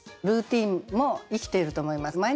「ルーティン」も生きていると思います。